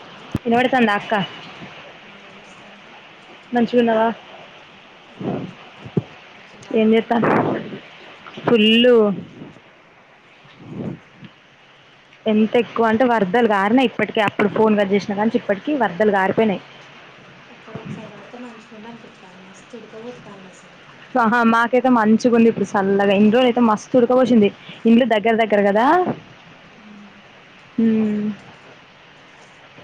Hello వినబడుతుందా అక్క hi [unintelligible] మంచిగా ఉన్నావా ఉమ్, వర్షం బాగా ఏం వత్తనట్టుంది చేతన్నావ్ ఫుల్ [inaudible] ఎంత ఎక్కువ అంటే వరదలు గారినాయి ఇప్పటికే అప్పుడు ఫోన్ కట్ చేసినా కాంచి ఇప్పటికి వరదలు గారిపోయినాయి ఇక్కడ ఒకసారి పడితే మంచుకుండా అని పిస్తది మస్తు ఉడుక పోతాంది అసలు అహ మాకైతే మంచిగా ఉంది ఇప్పుడు చల్లగా ఇన్ని రోజులు అయితే మస్తు ఉడకపోసింది ఇండ్లు దగ్గర దగ్గర కదా హా ఉమ్, ఊ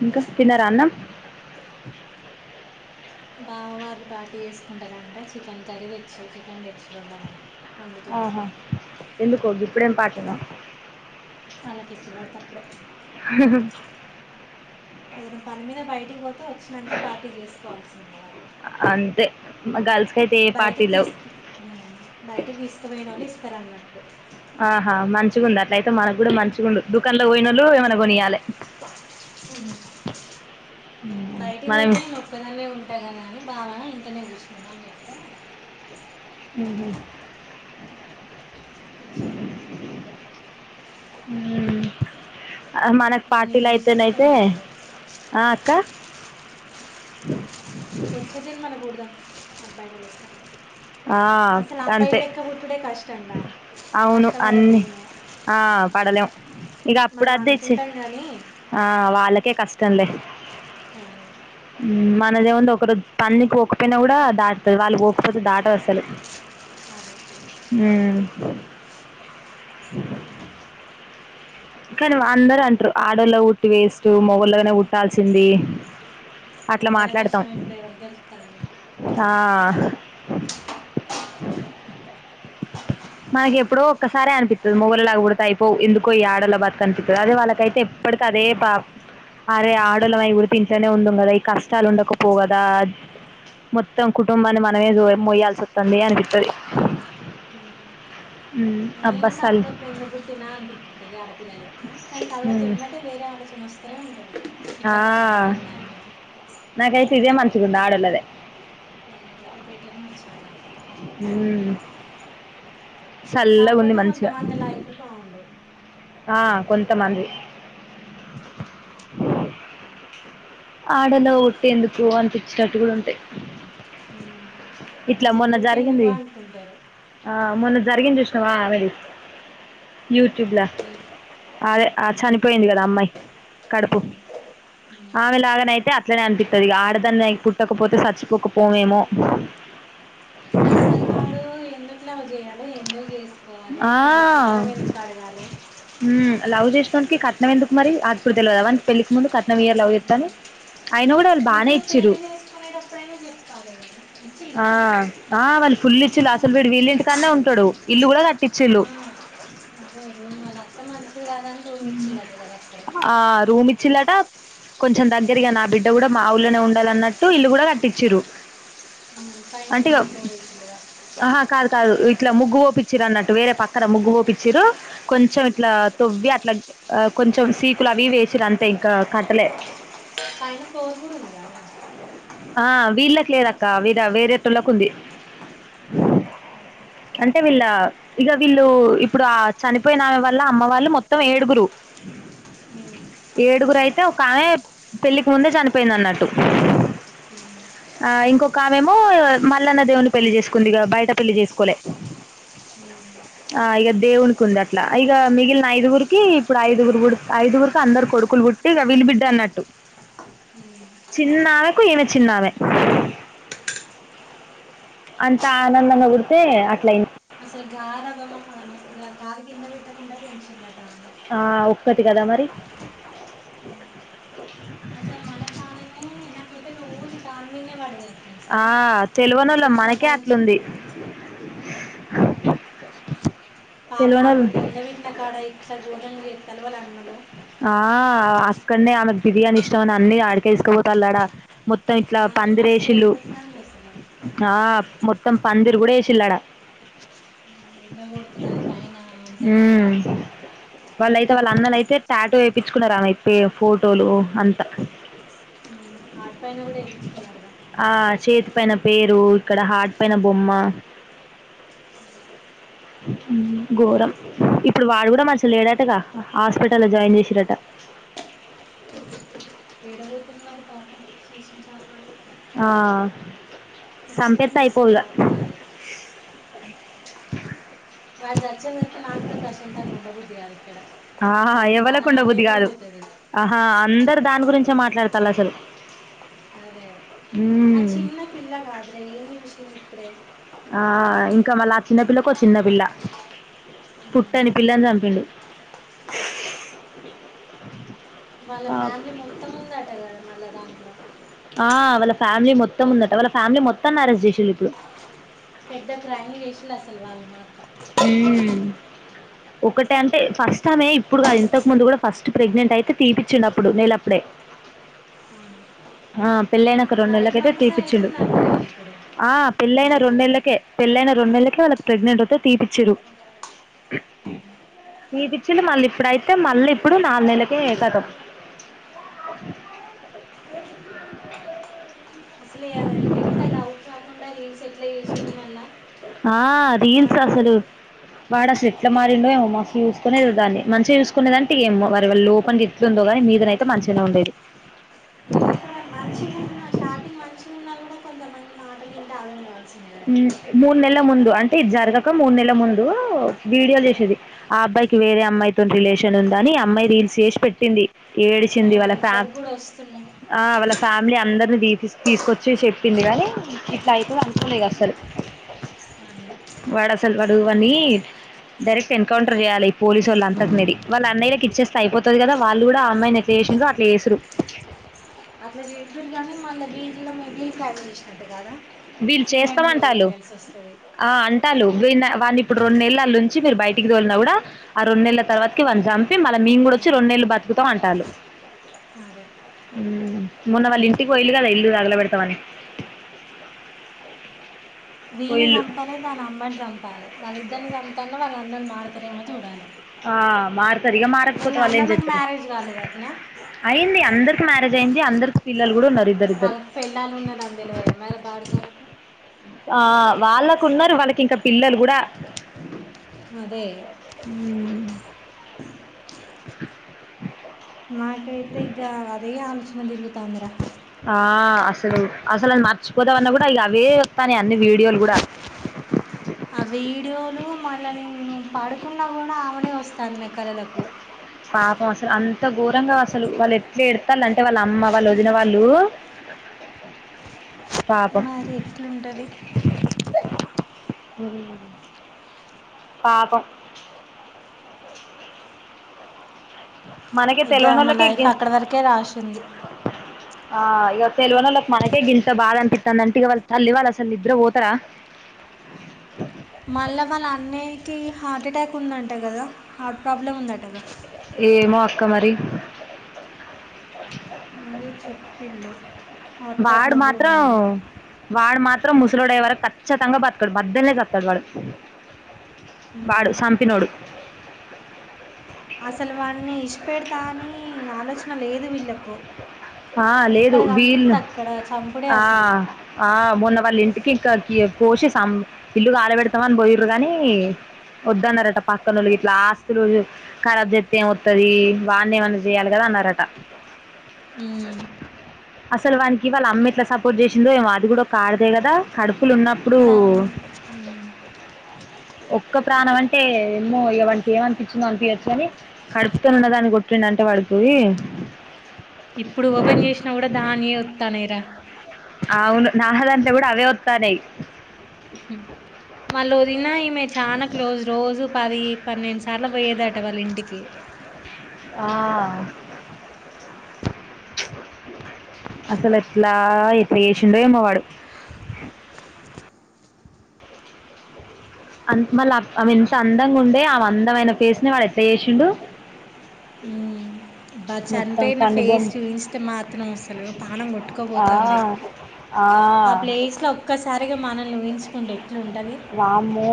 ఇంకా తిన్నరా అన్నం బామ వాళ్ళు పార్టీ చేసుకుంటారంట చికెన్ కర్రీ తెచ్చి చికెన్ తెచ్చిలు వండమని వండుతున్నా ఆహా ఎందుకో గిప్పుడు ఎం పార్టీ నో వాళ్ళకి ఎప్పుడు పడితే అప్పుడే హ ఏదైనా పని మీద బయటికి పోతే వచ్చినంక పార్టీ చేసుకోవాల్సిందే వాళ్ళు తే మా గర్ల్స్ బయటికి తీసుకు బయటికి తీసుకుపోయిన వాళ్ళు ఇస్తారు అన్నట్టు ఆహా మంచిగా ఉంది అట్లయితే మనకు కూడా మంచి గుండు ఉండు దుకాణలకు పోయిన ఒళ్ళు ఏమన్నా కొనియాలే హు బయటికి మనం పోతే నేను ఒక్కదాన్నే ఉంటా కదా ఆ బావ ఇంట్లోనే కూర్చుందామని చెప్తే ఉహు తెచ్చిల్లు ఇగ ఇక్కడికే హ మనకు నన్ను పార్టీలో ఇక్కడ ఇచ్చిపెట్టి అయితేనయితే ఉండలేడు ఆ అక్క వచ్చే జన్మల పుడదాం అబ్బాయిల లెక్క ఆ అసలు అంతే అబ్బాయిల్ల లెక్క పుట్టుడే కష్టం రా అవును అన్ని ఆ పడలేం ఇగ అప్పుడు మనం అది తేచ్చి అనుకుంటాం కానీ ఆ వాళ్ళకే కష్టం లే అదే మనదేముంది ఒకజు పన్నికి పోకపోయినా కూడా దాటుతది వాళ్ళు పోకపోతే దా అసలు అదే హు కానీ అందరు అంటారు ఆడల్లో పుట్టి వేస్టు మొగలోగానే పుట్టాల్సింది అట్లా మొగల మాట్లాడతాం కష్టం ఇప్పుడు ఎవరు గెలుస్తుంది ఆ మనకి ఎప్పుడ ఒక్కసారి అనిపిస్తుంది మొగోల్లలాగా పడితే అయిపో ఎందుకో ఈ ఆడోల్ల బతుకు అనిపిస్తుంది అది వాళ్ళకైతే ఎప్ప కాదే బా అరే ఆడోల్లమై పుడితే ఇంట్లోనే ఉందుమ్ కదా ఈ కష్టాలు ఉండకపోగదా మొత్తం కుటుంబాన్ని మనమే జ మోయాల్సి వస్తుంది అనిపిత్తది ఉమ్. హు నేను కూడా అప్పుడప్పుడు ఎందుకు పుట్టినా అనిపిస్తది ఆడపిల్ల లెక్క కానీ తర్వాత ఎమ్మటే వేరే ఆలోచన వస్తూనే ఉం తాది ఇట్లా కష్టపడాల అనే నాకు అయితే ఇదే మంచిగా ఉన్నది ఆడోలాదే ఉమ్, ఇదే బెటర్ మరి చాలా ఉ కాకపోతే కొంతమంది లైఫ్ లు బాగుండవు ఆ కొంతమంది ఆడల్లోగా పుట్టి ఎందుకు అనిపించినట్టు కూడా ఉంటాయి ఉమ్. ఇట్లా అసలు మొన్న పుట్టేందుకు జరిగింది అనుకుంటారు ఆ మొన్న జరిగింది ఇషు తావ వరి యూట్యూబ్ లా అదే ఆ చనిపోయింది కదా అమ్మాయి కడుపు ఉమ్. ఉమ్. ఆమె లాగానేయితే అట్లనే అనిపిస్తుది ఆడదాన్ని పుట్టకపోతే చచ్చిపోకపోనేమో అసలు వాడు ఎందుకు ఎట్లామ చేయాలి ఎన్నో చేసుకోవాలి ఆ, మళ్ళా కట్నం ఎందుకు అడగాలే ఉమ్, లవ్ చేసినోన్ కి కట్నం ఎందుకు మరి అప్పుడు తెలువదా వాని పెళ్లికి ముందు కట్నం ఈయరు లవ్ చేస్తే అని ఆయన కూడా వాళ్ళు బానే లేకపోతే ఇచ్చిరు పెళ్లి చేసుకునేటప్పుడైనా చెప్పాలి కదా ఆ ఇచ్చిల్లా ఆ వన్ ఆల్ ఫుల్ ఇచ్చులు ఇట్లా అసలు వీడు వీళ్ళ ఇంటికాన్నే ఉంటాడు ఇల్లు కూడా కట్ ఆ అదే రూమ్ లా కు అత్తే మం ఉ ఆ రూమ్ ఇచ్చిలాట కొంచెం దగ్గరగా నా బిడ్డ కూడా మా ఊళ్లోనే ఉండాలన్నట్టు ఇల్లు కూడా కట్టిచిరు ఉమ్, పైన ఇంకో అంటేగావ్ ఫ్లోర్ ఇచ్చిందిగా ఆహా కాదు కాదు ఇట్లా ముగ్గు వోపి చ్చిరు అన్నట్టు వేరే పక్కన ముగ్గు పోపిచ్చిరు కొంచెం ఇట్లా తొవ్వి ఇలా కొంచెం సీకులు అవి వేసిరు అంతే ఇంకా కట్టలే పైనకు పోకు ఈయల ఆ వీళ్ళకు లేదు అక్క విధా వేరేటోళ్లకు ఉంది ఉమ్, అంటే వీళ్ళ ఇక వీళ్ళు ఇప్పుడు ఆ చనిపోయిన ఆమె వల్ల అమ్మ వాళ్ళు మొత్తం ఏడుగురు ఉ తే ఒక ఆమె పెళ్లికి ముందే చనిపోయింది అన్నట్టు హు ఆ ఇంకొక ఆమె ఏమో మల్లన్న దేవుని పెళ్లి చేసుకుంది ఇగ బయట పెళ్లి చేసుకోలే ఉ ఆ ఇక దేవునికి ఉంది అట్లా ఇక మిగిలిన ఐదుగురికి ఇప్పుడు ఐదుగురు ఐదుగురుకి అందరు కొడుకులు కుట్టి ఇక విలుబిడ్డ అన్నట్టు ఉమ్. చిన్నఆమె కు ఈమె చిన్నమే అంత ఆనందంగా గుడితే అట్ల అయింది ఆ మస్తుగా కాలు కింద పెట్టకుండా పెంచిల్లుఅట ఆ ఒక్కతి కదా మరి నా పాణమే నాకైతే రోజు దాని మీదే వాడ దొరుగుతుంది ఆ సారా అది తెలియనోళ్ళం చూసిన కా మనకే నుంచి అట్లుంది పాపం తెలియనోళ్ళు అక్కడ బొంద వెట్టిన కాడ ఇట్లా గోరం చేస్తారు వాళ్ళ అన్నలు ఆ అక్కనే ఆమెకు బిర్యానీ ఇష్టం అని అన్ని ఆడికే తీసుకు పోతాళ్లు ఆడ మొత్తం ఇట్లా నాకే మస్తు పందిరేసిల్లు ఏడిపోతుంది అసలు నాప్ ముత్ తం పందిరి కూడా ఏసిల్లు ఆడ ఎండ కొడుతుంది అని పైన ఆన్ ఉమ్. తప్పిళ్ళు అవునా వేపించుకున్నారా ఆమెయ్ పే ఫోటోలు అంతా హార్ట్ పైన కూడా ఏపించుకున్నాడుగా ఆ చేతి పైన పేరు ఇక్కడ హాట్ పైన బొమ్మ ఉ ఘోరం ఇప్పుడు వాడు కూడా మంచిగా లేడు అటగా హాస్పిటల్లో జాయిన్ చేసిరట ఏడ పోతుంది మరి పాపం చేసిన కర్మాలు ఆ చంపెత్తే ఖచ్చితంగా ఉసురు అయిపోవిగా తాకుతుంది వచ్చే వరకు నాకు కూడా ప్రశాంతంగా ఉండబుద్ది కాదు ఇక్కడ ఆహా నాకు అది పానం అటే గుంజుతది ఆ అందరు దాని గురించే మాట్లాడతాళ్ళు అసలు అదే ఆ మ్మ్. చిన్న పిల్ల కాదురా ఏం చూసింది ఇప్పుడే ఆ ఇంకా మళ్ళ ఆ చిన్నపిల్లకో చిన్నపిల్ల పుట్టని పిల్లని చంపిండు వాళ్ళ పాపం. ఫ్యామిలీ మొత్తం ఉందంట కదా మళ్ళా దాంట్లో ఆ వాళ్ళ ఫ్యామిలీ మొత్తం ఉందట వాళ్ళ ఫ్యామిలీ మొత్తాన్ని అరెస్ట్ చేసిరు ఇప్పుడు పెద్ద క్రైమ్ చేసిర్రు అసలు వాళ్ళు మాత్రం మ్మ్. ఒకటే అంటే ఫస్ట్ ఆమె ఇప్పుడు కదు ఇంతకు ముందు కూడా ఫస్ట్ ప్రెగ్నెంట్ అయితే తీపిచ్చిండప్పుడు నేలప్పుడే అవునా ఆ పెళ్లయినంక రెండు నైన్ నెలకైతే మంత్స్ తీపించిండు అవుతుందంట కదా ఇప్పుడు ఆ పెళ్ళయిన మ్యారేజ్ అయ్యి రెండేళ్ళకే పెళ్ళైనన రెండేళ్లకే వాళ్ళకి ప్రెగ్నెంట్ వత్తే తీపిచ్చింర్రు [inaudible] తీపిచ్చిల్లు మళ్ళ ఇప్పుడైతే మళ్ళ ఇప్పుడు నాలుగు నెలకే కతం [unintelligible] అసలు ఇంత డౌట్ రాకుండా రీల్స్ ఎట్లా చేసిల్లు మళ్ళా ఆ రీల్స్ వాడు అసలు వాడు అసలు ఎట్లా మారిండో ఏమో మస్తు చూసుకునేది దాన్నీ మంచిగా చూసుకుది అంటే ఏమో వాడి లోపంల గేట్లు ఉందో కానీ మీదనైతే మంచిగానే ఉండేది లోపల మంచిగా ఉన్న స్టార్టింగ్ మంచిగా ఉన్నా కూడా కొంతమంది మాటలు ఇంటే ఆగంగారు మూడు నెలల ముందు అంటే ఇడి జరుగాక మూడు నెల్ల ముందు వీడియోలు చేసేది ఆ అబ్బాయికి వేరే అమ్మాయితో రిలేషన్ ఉంది అని ఆ అమ్మాయి రీల్స్ చేసి పెట్టింది ఏడిచింది ఆ వాళ్ళ ఫ ఇప్పటికి కూడా వస్తున్నాయి ఆ వాళ్ళ ఫ్యామిలీ అందరిని తీ తీసుకొచ్చి చెప్పింది గానీ ఇట్లా అయితది అనుకోలే అస్సలు అదే వాడు వాన్నీ డైరెక్ట్ ఎన్కౌంటర్ చేయాలి ఈ పోలీసు వాళ్ళ అంతకనేరీ వాళ్ళ అన్నయ్యకి ఇచ్చేస్తే అయిపోతది కదా వాళ్లు కూడా ఆ అమ్మాయి అట్లా చేసురు అట్లా చేదురు కానీ మల్ల వీళ్ళ వీళ్లు ప్లాన్ చేసినట్టు కదా వీళ్ళు చేస్తాం అంటల్లు ఆ అంటల్లు వీళ్ళు వాన్ని ఇప్పుడు రెండు నెల్లు అల్లా ఉంచి మీరు బయటికి తోలినా కూడా ఆ రెండు నెల్లు తర్వాకి వాన్నీ మళ్ళ మేము కూడా వచ్చి రెంనెళ్లు బతుకుతామంటాళ్ళు అదే మొన్న వాళ్ళ ఇంటికి పోయిళ్ళు కదా ఇల్లు తగలబెడతామని వీన్ని పోయిల్లు చంపాలే వాని అమ్మాని చంపాలే వాళ్ళి ఇద్దరిని చంపుతేనన్న వాళ్ళ అన్నలు మారుతారేమో చూడాలి ఆ మారుతారు ఇగ వాళ్ళ మారకపోతే వాళ్ళు ఏం అన్నలకు చెతారు మ్యారేజ్ కాలేదు అట్నా అయింది అందరికి మ అదేంది అందరూ వాళ్ళకి పెళ్ళాలు ఉన్నారు అని తెలవదా మరి బాడకవులకు ఆ వాళ్ళకు ఉన్నారు వాళ్ళకి ఇంకా పిల్లలు కూడా అదే [inaudible] నాకైతే ఇగ అదే ఆలోచన తిరుగుతుందిరా ఆ అసలు అసలు అది మర్చిపోదామన్నా కూడా ఇగా అవే వస్తానై అన్ని వీడియోలు కూడా ఆ వీడియోలు మళ్ళీ స్థానా నా కలలకు పాపం అసలు అంత ఘోరంగా అసలు వాళ్ళు ఎట్లా ఏడుత్తాళ్ళు అంటే వాళ్ళ అమ్మ వాళ్ళ వదిన వాళ్ళు [inaudible] మరి ఎట్లుంటది పాపం [inaudible] మనకి ఇక ఆమె తెలివనోలకే లైఫ్ గి అక్కడ వరకే రాసి ఉంది ఆ ఇగ తెల్వనోలకి మనకే గింత బాధనపితాందంటే ఇగ వాల్ తల్లి వాళ్ళు అసలు నిద్ద్ర పోతర మళ్ళా వాళ్ళ అన్నయకి హార్ట్ ఎటాక్ ఉందంట కదా హార్ట్ ప్రాబ్లమ్ ఉంద ఏమో అక్క మరి వీర్ చెప్పిళు వాడు మాత్రం వాడు మాత మాత్రం ముసలోడయే వరకు ఖచ్చితంగా బతకడు మద్యల్నే జతడు వాడు వాడు ఉమ్. సంపినోడు అసలు వాడిని ఇడిసిపెడతా అని ఆలోచన లేదు వీళ్ళకు ఆ లేదు ఎక్కడ వీల్ కనిపిస్తే అక్కడ చంపుడే ఆ అసలు ఆ మొన్న వాళ్ళ ఇంటికి ఇంక కోషి సంప్ ఇల్లు కాల పెడతామని పోయిర్రు కాని వద్దన్నారట పక్కనోళ్ళ ఇట్లా ఆస్తులు కరాబ్ జేతే ఏమొతది వాని ఏమన్నా చేయాల కదా అన్నారట హ్మ్ అసలు వానికి వాళ్ళ అమ్మ ఎట్లా సపోర్ట్ చేసిందో ఏమో అది కూడా ఒక ఆడదే కదా కడుప్ దాన్ మ్ ఒక్క ప్రాణం అంటే ఏమో ఇగ వానికి ఏమనిపించిదో అనిపియొచ్చు గాని కడుపుతో ఉన్నదాన్ని కొట్టిండంటె అంటే వాడికి ఇప్పుడు ఓపెన్ చేసినా కూడా దానియే వత్తన్నాయ్ రా అవును నా దాంట్లో కూడా అవే వత్తాన్నాయ్ ఉ వాళ్ళ వదినా ఈమె చానా క్లోజ్ రోజు పది పన్నెండు సార్లు పోయేదట వాళ్ళ ఇంటికి ఆ అసల్ ఎట్లా ఎట్లా చేసిండో ఏమ్మో వాడు అంత మళ్ళీ ఆమ ఎంత అందంగా ఉండే అవి అందమైన ఫేస్ ని వాడు ఎట్లా చేసిండు హ్మ్ అబా మొత్తం చనిపోయిన ఫేస్ కనుబొమ్ చూయించితే మాత్రం అసలు పాణం ఆ కొట్టకపోతాంది ఆ ప్లేస్ లో ఒక్కసారిగా మన వామ్మో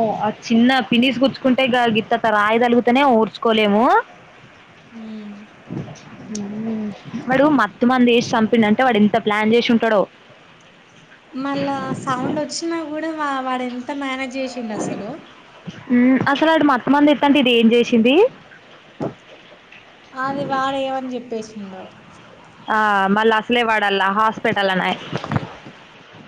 చిన్న పినిస్ గుచ్చుకుంటే గాగిత్తత రాయి తలుగుతేనే ఒర్చుకోలేము హ్మ్ వాడు మత్తుమందు ఎసి చంపిండంటే వాడు ఎంత ప్లాన్ చేసి ఉంటడో మళ్ళా సౌండ్ ఒచ్చినా కూడా వా వాడు ఎంత మ్యానేజ్ జేసిండసలు మ్మ్ అసలు ఆడు మత్తుమందు ఇత్తంటే ఇది ఏం చేసింది అది వాడు ఏమని చెప్పేసిండో ఆ మళ్ళా అసలే వాడల్లా హాస్పిటల్ నాయే